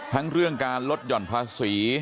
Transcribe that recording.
ทั้งเรื่องการลดหย่อนภาษี